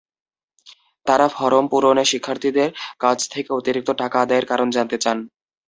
তাঁরা ফরম পূরণে শিক্ষার্থীদের কাছ থেকে অতিরিক্ত টাকা আদায়ের কারণ জানতে চান।